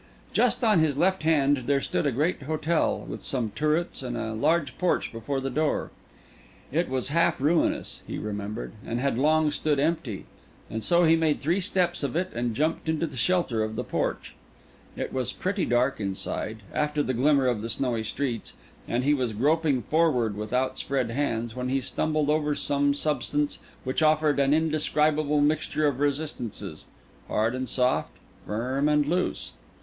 Just on his left hand there stood a great hotel, with some turrets and a large porch before the door; it was half ruinous, he remembered, and had long stood empty; and so he made three steps of it and jumped into the shelter of the porch. It was pretty dark inside, after the glimmer of the snowy streets, and he was groping forward with outspread hands, when he stumbled over some substance which offered an indescribable mixture of resistances, hard and soft, firm and loose.